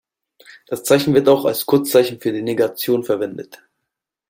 Das Zeichen wird auch als Kurzzeichen für die Negation 無 verwendet.